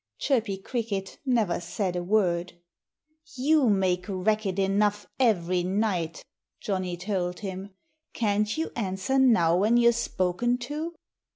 Chirpy Cricket never said a word. "You make racket enough every night," Johnnie told him. "Can't you answer now when you're spoken to?"